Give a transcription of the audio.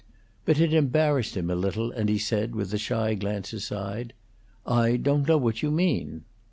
But it embarrassed him a little, and he said, with a shy glance aside, "I don't know what you mean."